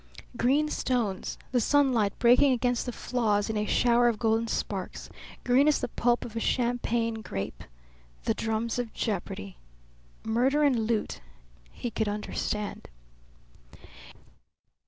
Green stones, the sunlight breaking against the flaws in a shower of golden sparks; green as the pulp of a Champagne grape; the drums of jeopardy! Murder and loot; he could understand.